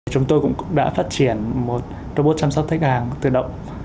chúng tôi cũng đã phát triển một robot chăm sóc khách hàng tự động